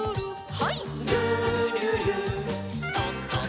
はい。